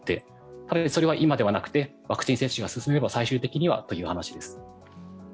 ただ、それは今ではなくてワクチン接種が進めば最終的にはという話です。